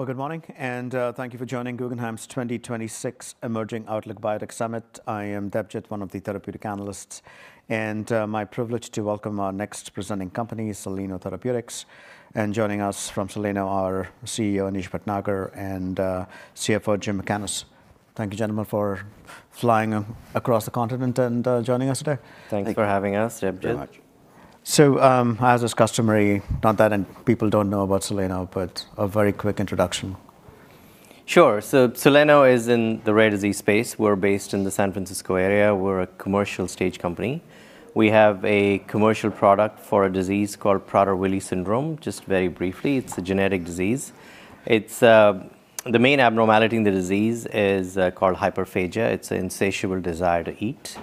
Well, good morning, and thank you for joining Guggenheim's 2026 Emerging Outlook Biotech Summit. I am Debjit, one of the therapeutic analysts, and my privilege to welcome our next presenting company, Soleno Therapeutics and joining us from Soleno, our CEO, Anish Bhatnagar, and CFO, Jim Mackaness. Thank you, gentlemen, for flying across the continent and joining us today. Thanks for having us, Debjit. Thank you very much. So, as is customary, not that people don't know about Soleno, but a very quick introduction. Sure. So Soleno is in the rare disease space. We're based in the San Francisco area. We're a commercial stage company. We have a commercial product for a disease called Prader-Willi syndrome. Just very briefly, it's a genetic disease. It's the main abnormality in the disease is called hyperphagia. It's an insatiable desire to eat.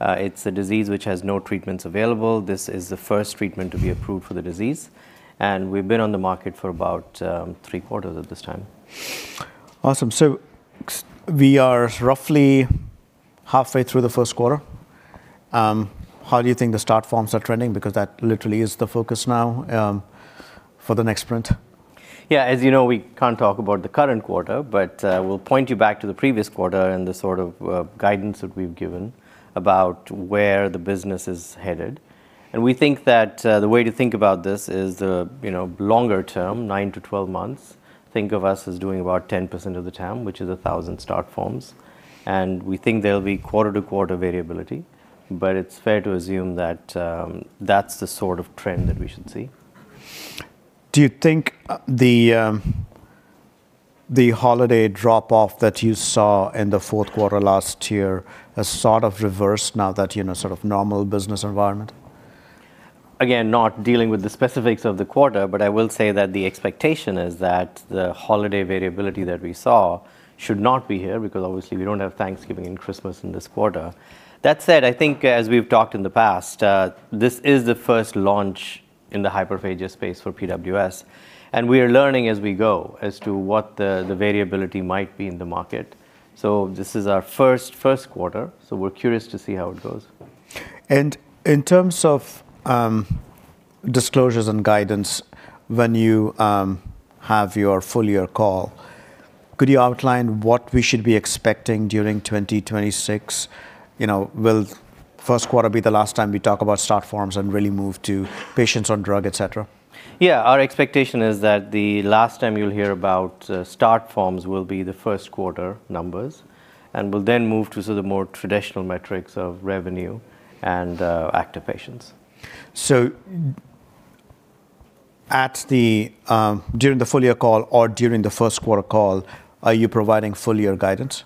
It's a disease which has no treatments available. This is the first treatment to be approved for the disease, and we've been on the market for about 3/4 at this time. Awesome. So we are roughly halfway through the first quarter. How do you think the start forms are trending? Because that literally is the focus now, for the next sprint. Yeah, as you know, we can't talk about the current quarter, but we'll point you back to the previous quarter and the sort of guidance that we've given about where the business is headed. We think that the way to think about this is the longer term, nine to 12 months. Think of us as doing about 10% of the TAM, which is 1,000 start forms, and we think there'll be quarter-to-quarter variability, but it's fair to assume that that's the sort of trend that we should see. Do you think the holiday drop-off that you saw in the fourth quarter last year has sort of reversed now that, you know, sort of normal business environment? Again, not dealing with the specifics of the quarter, but I will say that the expectation is that the holiday variability that we saw should not be here, because obviously we don't have Thanksgiving and Christmas in this quarter. That said, I think, as we've talked in the past, this is the first launch in the hyperphagia space for PWS, and we are learning as we go as to what the variability might be in the market. So this is our first quarter, so we're curious to see how it goes. In terms of disclosures and guidance, when you have your full year call, could you outline what we should be expecting during 2026? You know, will first quarter be the last time we talk about start forms and really move to patients on drug, et cetera? Yeah, our expectation is that the last time you'll hear about start forms will be the first quarter numbers, and we'll then move to sort of more traditional metrics of revenue and active patients. During the full-year call or during the first-quarter call, are you providing full-year guidance?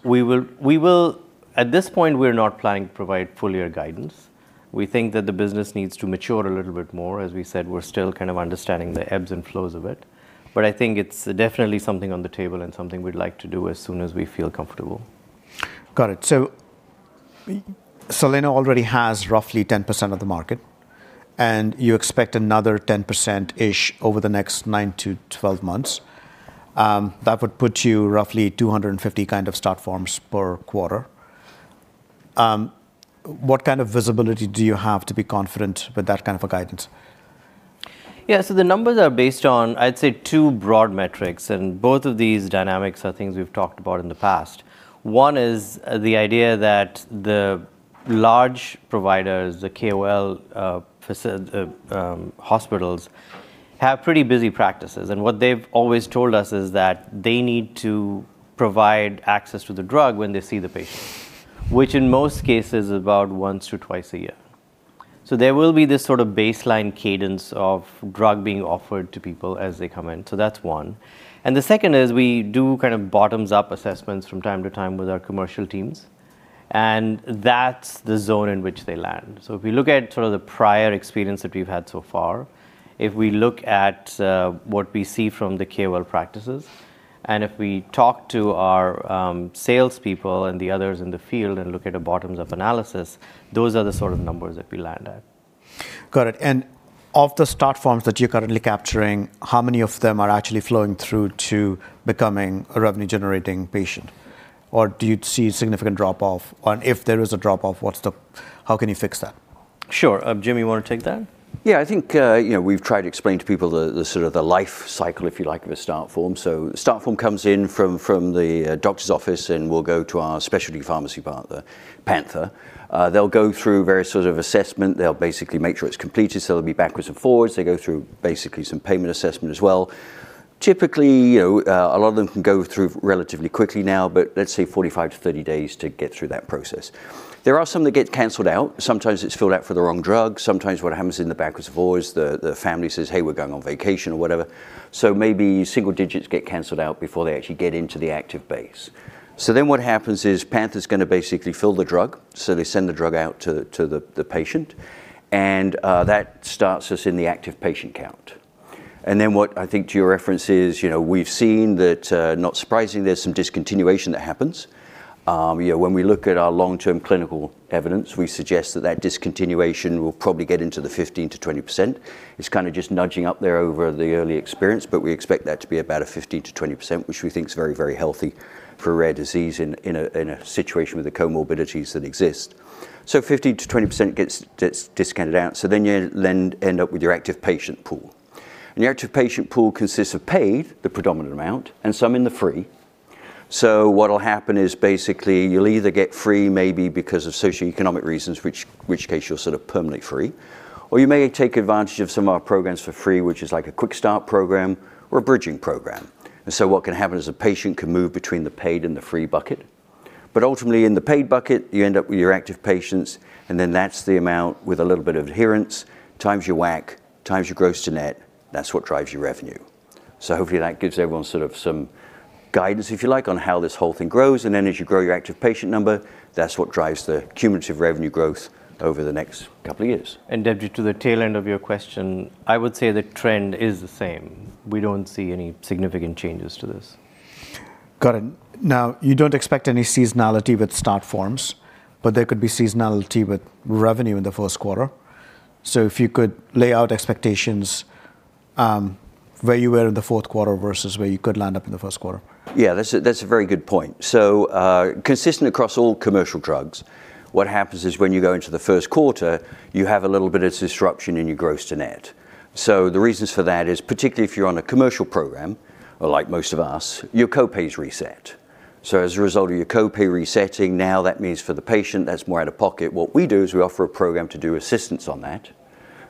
At this point, we're not planning to provide full-year guidance. We think that the business needs to mature a little bit more. As we said, we're still kind of understanding the ebbs and flows of it, but I think it's definitely something on the table and something we'd like to do as soon as we feel comfortable. Got it. So Soleno already has roughly 10% of the market, and you expect another 10%ish over the next nine to 12 months. That would put you roughly 250 kind of start forms per quarter. What kind of visibility do you have to be confident with that kind of a guidance? Yeah, so the numbers are based on, I'd say, two broad metrics, and both of these dynamics are things we've talked about in the past. One is the idea that the large providers, the KOL, hospitals, have pretty busy practices, and what they've always told us is that they need to provide access to the drug when they see the patient, which in most cases is about once or twice a year. So there will be this sort of baseline cadence of drug being offered to people as they come in. So that's one. And the second is, we do kind of bottoms-up assessments from time to time with our commercial teams, and that's the zone in which they land. So if we look at sort of the prior experience that we've had so far, if we look at what we see from the KOL practices, and if we talk to our salespeople and the others in the field and look at a bottoms-up analysis, those are the sort of numbers that we land at. Got it and of the start forms that you're currently capturing, how many of them are actually flowing through to becoming a revenue-generating patient? Or do you see significant drop-off? And if there is a drop-off, how can you fix that? Sure. Jim, you want to take that? Yeah, I think, you know, we've tried to explain to people the sort of the life cycle, if you like, of a start form. So start form comes in from the doctor's office and will go to our specialty pharmacy partner, Panther. They'll go through various sort of assessment. They'll basically make sure it's completed, so it'll be backwards and forwards. They go through basically some payment assessment as well. Typically, you know, a lot of them can go through relatively quickly now, but let's say 45-30 days to get through that process. There are some that get canceled out. Sometimes it's filled out for the wrong drug, sometimes what happens in the backwards and forwards, the family says, "Hey, we're going on vacation," or whatever. So maybe single digits get canceled out before they actually get into the active base. So then what happens is, Panther's gonna basically fill the drug, so they send the drug out to the patient, and that starts us in the active patient count. Then what I think, to your reference, is, you know, we've seen that, not surprising, there's some discontinuation that happens. You know, when we look at our long-term clinical evidence, we suggest that that discontinuation will probably get into the 15%-20%. It's kind of just nudging up there over the early experience, but we expect that to be about a 15%-20%, which we think is very, very healthy for a rare disease in a situation with the comorbidities that exist. So 15%-20% gets discounted out, so then you end up with your active patient pool. Your active patient pool consists of paid, the predominant amount, and some in the free. So what'll happen is basically you'll either get free, maybe because of socioeconomic reasons, which, which case you're sort of permanently free, or you may take advantage of some of our programs for free, which is like a quick-start program or a bridging program. And so what can happen is a patient can move between the paid and the free bucket, but ultimately in the paid bucket, you end up with your active patients, and then that's the amount with a little bit of adherence, times your WAC, times your gross-to-net, that's what drives your revenue. So hopefully that gives everyone sort of some guidance, if you like, on how this whole thing grows. Then as you grow your active patient number, that's what drives the cumulative revenue growth over the next couple of years. Debjit, to the tail end of your question, I would say the trend is the same. We don't see any significant changes to this. Got it. Now, you don't expect any seasonality with start forms, but there could be seasonality with revenue in the first quarter. So if you could lay out expectations, where you were in the fourth quarter versus where you could land up in the first quarter? Yeah, that's a, that's a very good point. So, consistent across all commercial drugs, what happens is when you go into the first quarter, you have a little bit of disruption in your gross-to-net. So the reasons for that is, particularly if you're on a commercial program, or like most of us, your copay is reset. So as a result of your copay resetting, now that means for the patient, that's more out of pocket. What we do is we offer a program to do assistance on that,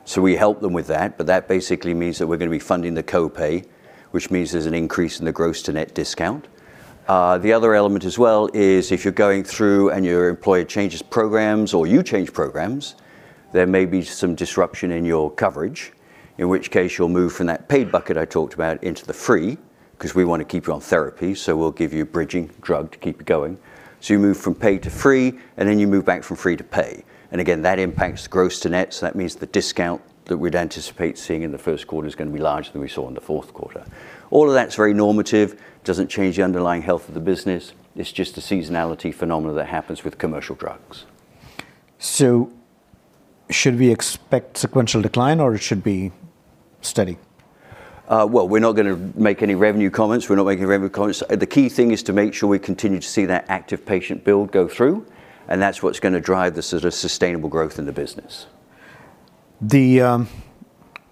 so we help them with that, but that basically means that we're going to be funding the copay, which means there's an increase in the gross-to-net discount. The other element as well is if you're going through and your employer changes programs or you change programs, there may be some disruption in your coverage, in which case you'll move from that paid bucket I talked about into the free, 'cause we want to keep you on therapy, so we'll give you bridging drug to keep it going. So you move from paid to free, and then you move back from free to pay. and again, that impacts gross-to-net, so that means the discount that we'd anticipate seeing in the first quarter is going to be larger than we saw in the fourth quarter. All of that's very normative, doesn't change the underlying health of the business. It's just a seasonality phenomenon that happens with commercial drugs. Should we expect sequential decline or it should be steady? Well, we're not going to make any revenue comments. We're not making revenue comments. The key thing is to make sure we continue to see that active patient build go through, and that's what's going to drive the sort of sustainable growth in the business. The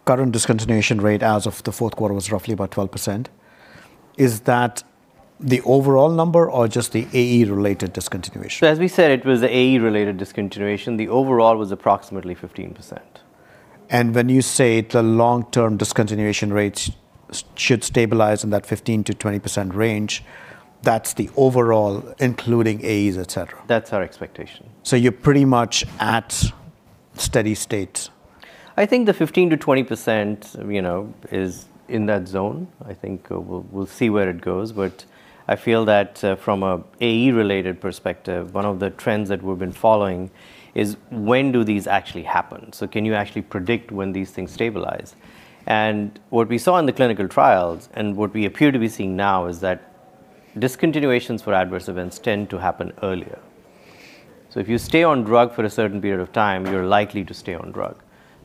current discontinuation rate as of the fourth quarter was roughly about 12%. Is that the overall number or just the AE-related discontinuation? As we said, it was AE-related discontinuation. The overall was approximately 15%. When you say the long-term discontinuation rates should stabilize in that 15%-20% range, that's the overall, including AEs, etc? That's our expectation. You're pretty much at steady state? I think the 15%-20%, you know, is in that zone. I think we'll, we'll see where it goes, but I feel that, from a AE-related perspective, one of the trends that we've been following is: When do these actually happen? So can you actually predict when these things stabilize? And what we saw in the clinical trials, and what we appear to be seeing now, is that discontinuations for adverse events tend to happen earlier. So if you stay on drug for a certain period of time, you're likely to stay on drug.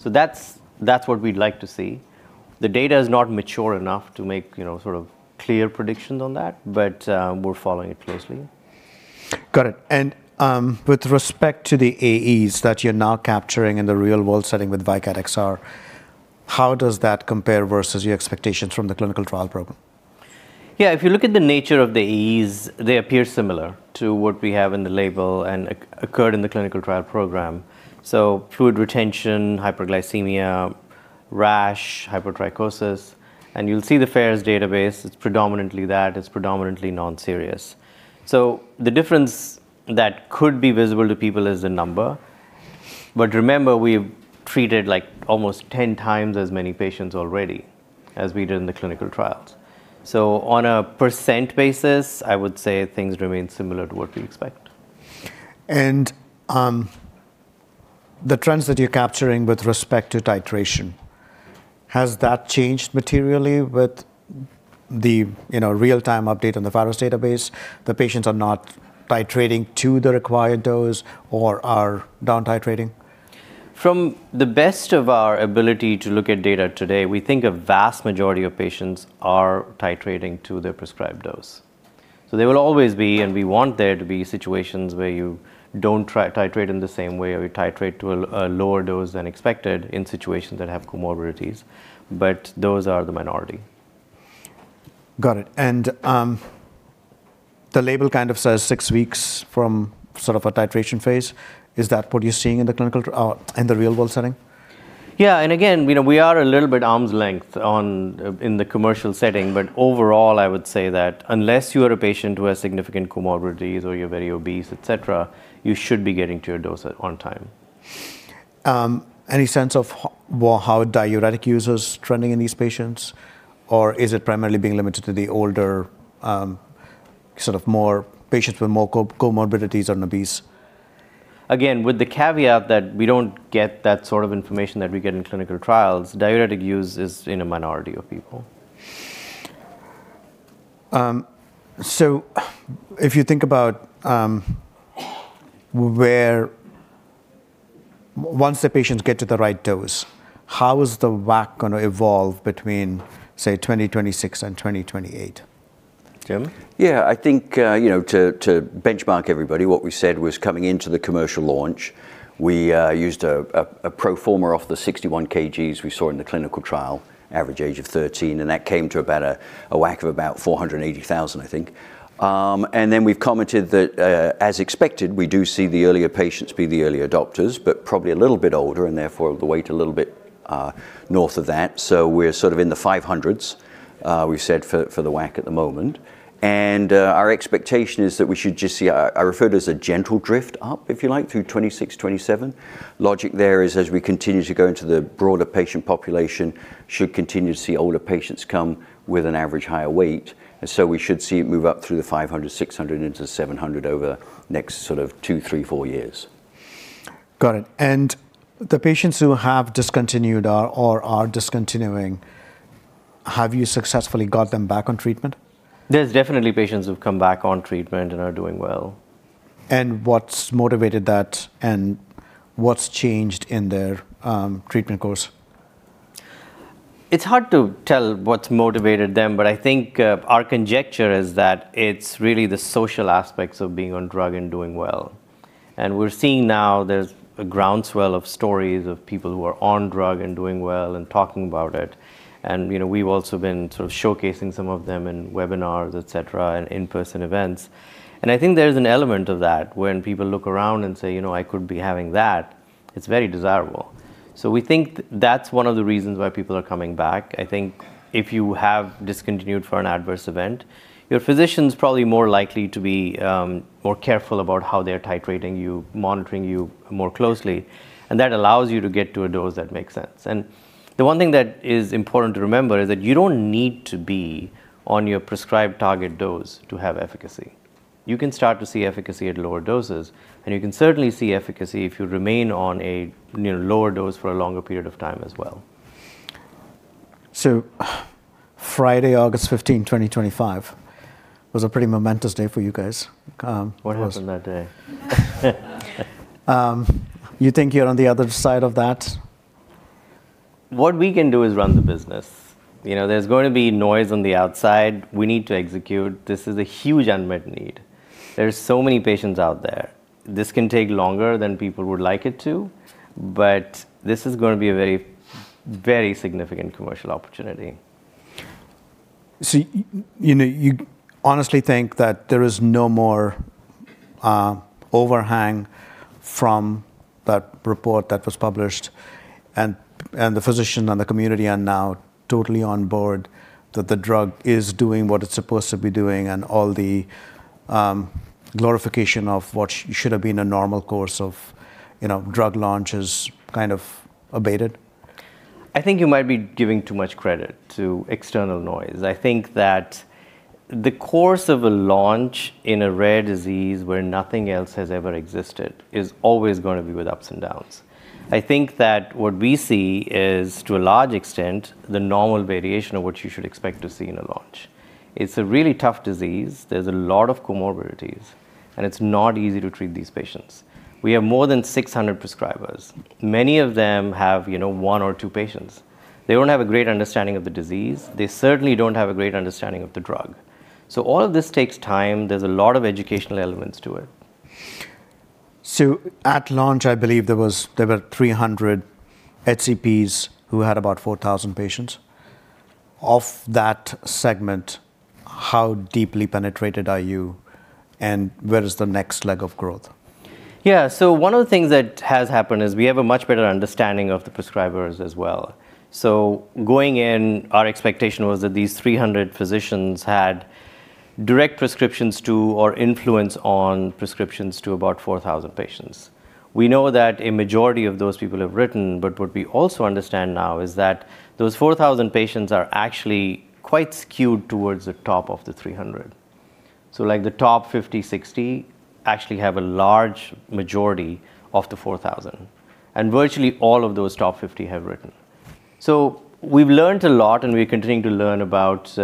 So that's, that's what we'd like to see. The data is not mature enough to make, you know, sort of clear predictions on that, but, we're following it closely. Got it and, with respect to the AEs that you're now capturing in the real world setting with VYKAT XR, how does that compare versus your expectations from the clinical trial program? Yeah, if you look at the nature of the AEs, they appear similar to what we have in the label and occurred in the clinical trial program. So fluid retention, hyperglycemia, rash, hypertrichosis, and you'll see the Pharos Database, it's predominantly that, it's predominantly non-serious. So the difference that could be visible to people is the number. But remember, we've treated, like, almost 10 times as many patients already as we did in the clinical trials. So on a percent basis, I would say things remain similar to what we expect. The trends that you're capturing with respect to titration, has that changed materially with the, you know, real-time update on the FAERS database? The patients are not titrating to the required dose or are down titrating? From the best of our ability to look at data today, we think a vast majority of patients are titrating to their prescribed dose. So there will always be, and we want there to be, situations where you don't titrate in the same way or we titrate to a lower dose than expected in situations that have comorbidities, but those are the minority. Got it and, the label kind of says six weeks from sort of a titration phase. Is that what you're seeing in the clinical, in the real world setting? Yeah, and again, you know, we are a little bit arm's length on, in the commercial setting. But overall, I would say that unless you are a patient who has significant comorbidities or you're very obese, et cetera, you should be getting to your dose at on time. Any sense of well, how diuretic use is trending in these patients? Or is it primarily being limited to the older, sort of more patients with more comorbidities or obese? Again, with the caveat that we don't get that sort of information that we get in clinical trials, diuretic use is in a minority of people. So if you think about, once the patients get to the right dose, how is the WAC gonna evolve between, say, 2026 and 2028? Yeah, I think, you know, to benchmark everybody, what we said was coming into the commercial launch, we used a pro forma off the 61 kgs we saw in the clinical trial, average age of 13, and that came to about a WAC of about $480,000, I think. Then we've commented that, as expected, we do see the earlier patients be the early adopters, but probably a little bit older, and therefore, the weight a little bit north of that. So we're sort of in the $500,000s, we've said for the WAC at the moment. Our expectation is that we should just see I refer to as a gentle drift up, if you like, through 2026, 2027. Logic there is, as we continue to go into the broader patient population, should continue to see older patients come with an average higher weight, and so we should see it move up through the $500, $600, into $700 over the next sort of 2, 3, 4 years. Got it. The patients who have discontinued or are discontinuing, have you successfully got them back on treatment? There's definitely patients who've come back on treatment and are doing well. What's motivated that, and what's changed in their treatment course? It's hard to tell what's motivated them, but I think, our conjecture is that it's really the social aspects of being on drug and doing well. We're seeing now there's a groundswell of stories of people who are on drug and doing well and talking about it, and, you know, we've also been sort of showcasing some of them in webinars, etc, and in-person events. I think there's an element of that when people look around and say, "You know, I could be having that," it's very desirable. So we think that's one of the reasons why people are coming back. I think if you have discontinued for an adverse event, your physician's probably more likely to be, more careful about how they're titrating you, monitoring you more closely, and that allows you to get to a dose that makes sense. The one thing that is important to remember is that you don't need to be on your prescribed target dose to have efficacy. You can start to see efficacy at lower doses, and you can certainly see efficacy if you remain on a, you know, lower dose for a longer period of time as well. Friday, August 15th, 2025, was a pretty momentous day for you guys. What happened that day? You think you're on the other side of that? What we can do is run the business. You know, there's going to be noise on the outside. We need to execute. This is a huge unmet need. There are so many patients out there. This can take longer than people would like it to, but this is going to be a very, very significant commercial opportunity. So you know, you honestly think that there is no more overhang from that report that was published, and the physician and the community are now totally on board, that the drug is doing what it's supposed to be doing, and all the glorification of what should have been a normal course of, you know, drug launch has kind of abated? I think you might be giving too much credit to external noise. I think that the course of a launch in a rare disease where nothing else has ever existed, is always going to be with ups and downs. I think that what we see is, to a large extent, the normal variation of what you should expect to see in a launch. It's a really tough disease. There's a lot of comorbidities, and it's not easy to treat these patients. We have more than 600 prescribers. Many of them have, you know, one or two patients. They don't have a great understanding of the disease. They certainly don't have a great understanding of the drug. So all of this takes time. There's a lot of educational elements to it. So at launch, I believe there were 300 HCPs who had about 4,000 patients. Of that segment, how deeply penetrated are you, and where is the next leg of growth? Yeah. One of the things that has happened is we have a much better understanding of the prescribers as well. So going in, our expectation was that these 300 physicians had direct prescriptions to or influence on prescriptions to about 4,000 patients. We know that a majority of those people have written, but what we also understand now is that those 4,000 patients are actually quite skewed towards the top of the 300. So, like, the top 50, 60 actually have a large majority of the 4,000, and virtually all of those top 50 have written. So we've learned a lot, and we're continuing to learn about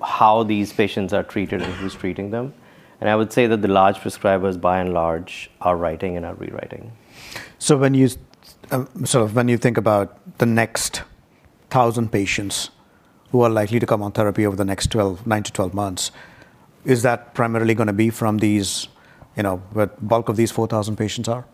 how these patients are treated and who's treating them and I would say that the large prescribers, by and large, are writing and are rewriting. So when you think about the next 1,000 patients who are likely to come on therapy over the next nine to 12 months, is that primarily gonna be from these, you know, where bulk of these 4,000 patients are?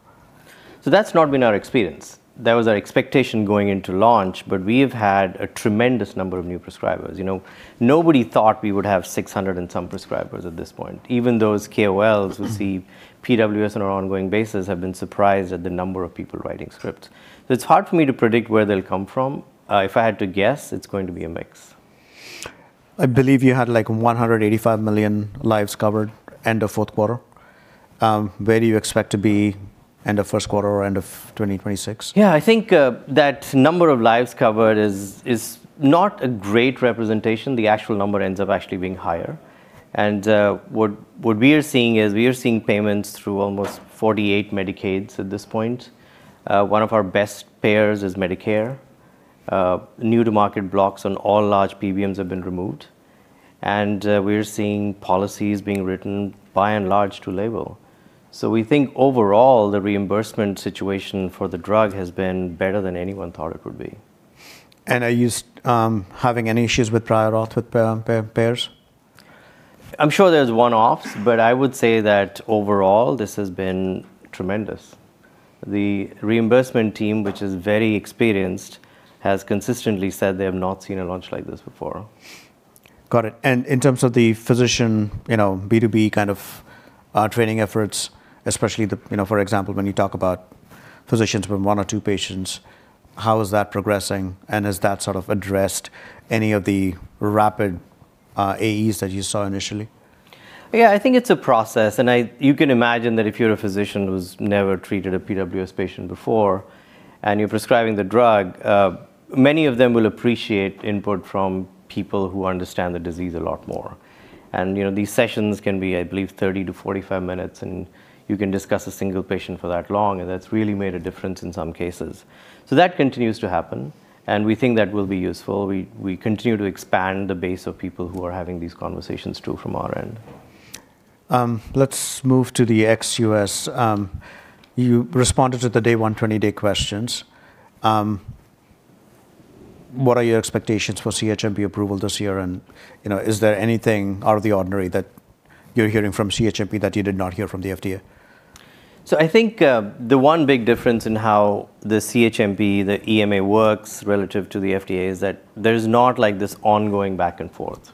So that's not been our experience. That was our expectation going into launch, but we've had a tremendous number of new prescribers. You know, nobody thought we would have 600 and some prescribers at this point. Even those KOLs who see PWS on an ongoing basis have been surprised at the number of people writing scripts. So it's hard for me to predict where they'll come from. If I had to guess, it's going to be a mix. I believe you had, like, 185 million lives covered end of fourth quarter. Where do you expect to be end of first quarter or end of 2026? Yeah, I think that number of lives covered is not a great representation. The actual number ends up actually being higher and what we are seeing is we are seeing payments through almost 48 Medicaids at this point. One of our best payers is Medicare. New to market blocks on all large PBMs have been removed, and we're seeing policies being written, by and large, to label. So we think overall, the reimbursement situation for the drug has been better than anyone thought it would be. Are you having any issues with prior auth with payers? I'm sure there's one-offs, but I would say that overall, this has been tremendous. The reimbursement team, which is very experienced, has consistently said they have not seen a launch like this before. Got it and in terms of the physician, you know, B2B kind of training efforts, especially the, you know, for example, when you talk about physicians with one or two patients, how is that progressing, and has that sort of addressed any of the rapid AEs that you saw initially? Yeah, I think it's a process, and you can imagine that if you're a physician who's never treated a PWS patient before and you're prescribing the drug, many of them will appreciate input from people who understand the disease a lot more and, you know, these sessions can be, I believe, 30-45 minutes, and you can discuss a single patient for that long, and that's really made a difference in some cases. So that continues to happen, and we think that will be useful. We continue to expand the base of people who are having these conversations, too, from our end. Let's move to the ex-U.S. You responded to the Day 120-day questions. What are your expectations for CHMP approval this year? You know, is there anything out of the ordinary that you're hearing from CHMP that you did not hear from the FDA? So I think, the one big difference in how the CHMP, the EMA works relative to the FDA is that there's not like this ongoing back and forth.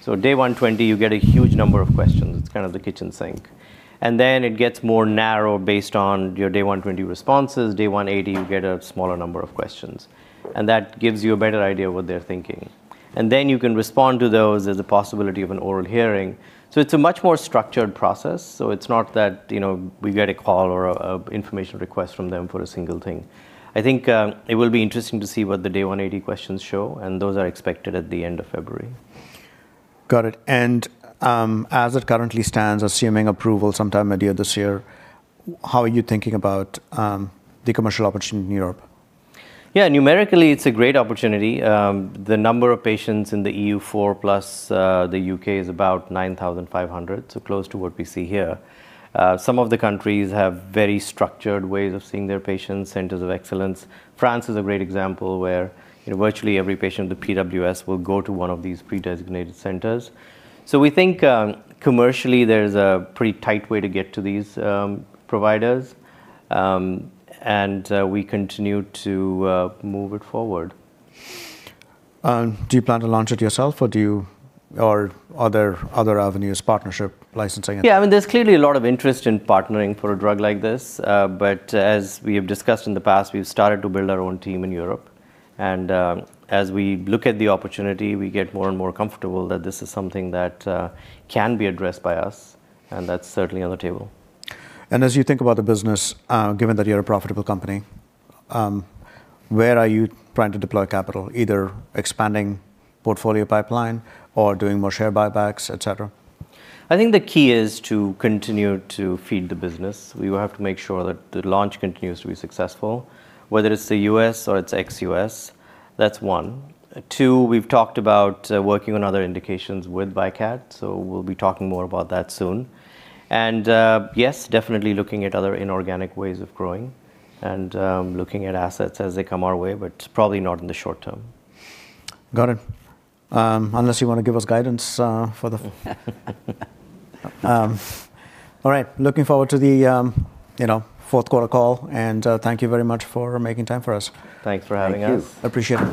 So Day 120, you get a huge number of questions. It's kind of the kitchen sink and then it gets more narrow based on your Day 120 responses. Day 180, you get a smaller number of questions, and that gives you a better idea of what they're thinking and then you can respond to those. There's a possibility of an oral hearing. So it's a much more structured process. So it's not that, you know, we get a call or a information request from them for a single thing. I think, it will be interesting to see what the Day 180 questions show, and those are expected at the end of February. Got it. As it currently stands, assuming approval sometime earlier this year, how are you thinking about the commercial opportunity in Europe? Yeah, numerically, it's a great opportunity. The number of patients in the EU4 plus the UK is about 9,500, so close to what we see here. Some of the countries have very structured ways of seeing their patients, centers of excellence. France is a great example where, you know, virtually every patient with PWS will go to one of these predesignated centers. So we think, commercially, there's a pretty tight way to get to these, providers, and we continue to move it forward. Do you plan to launch it yourself or do you... Or are there other avenues, partnership, licensing? Yeah, I mean, there's clearly a lot of interest in partnering for a drug like this. But as we have discussed in the past, we've started to build our own team in Europe, and as we look at the opportunity, we get more and more comfortable that this is something that can be addressed by us, and that's certainly on the table. As you think about the business, given that you're a profitable company, where are you planning to deploy capital, either expanding portfolio pipeline or doing more share buybacks, et cetera? I think the key is to continue to feed the business. We will have to make sure that the launch continues to be successful, whether it's the U.S. or it's ex U.S. That's one. Two, we've talked about working on other indications with VYKAT, so we'll be talking more about that soon and, yes, definitely looking at other inorganic ways of growing and looking at assets as they come our way, but probably not in the short term. Got it. Unless you want to give us guidance. All right. Looking forward to the, you know, fourth quarter call, and thank you very much for making time for us. Thanks for having us. Thank you. Appreciate it.